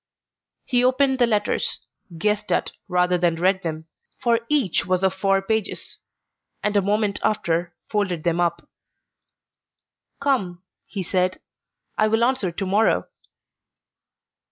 He opened the letters, guessed at rather than read them, for each was of four pages; and a moment after folded them up. "Come," he said, "I will answer tomorrow."